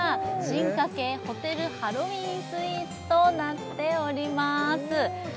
進化系ホテルハロウィンスイーツとなっております